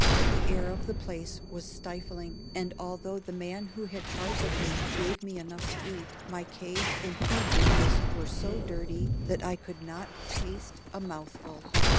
The air of the place was stifling, and although the man who had charge of me gave me enough to eat, my cage and feed dishes were so dirty that I could not taste a mouthful.